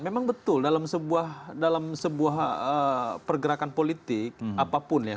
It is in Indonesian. memang betul dalam sebuah pergerakan politik apapun ya